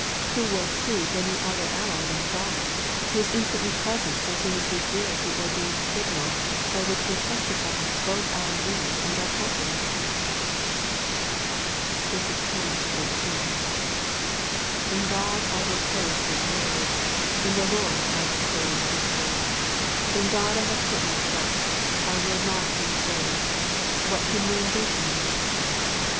Who will seek any other ally than God, who is instantly present so soon as we give the ordained signal, by which we testify both our need and our confidence ? 10 In God will I praise his word : in the LORD will I praise Ais word. 11 In God have I put my trust: I will not be afraid what man can do unto me.